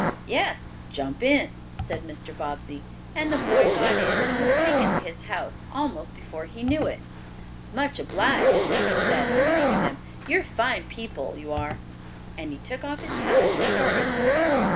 "Yes, jump in," said Mr. Bobbsey, and the boy got in and was taken to his house almost before he knew it. "Much obliged," he said on leaving them. "You're fine people, you are," and he took off his hat at parting.